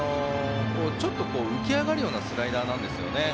ちょっと浮き上がるようなスライダーなんですよね。